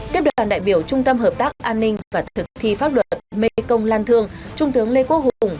tiếp đoàn đại biểu trung tâm hợp tác an ninh và thực thi pháp luật mê công lan thương trung tướng lê quốc hùng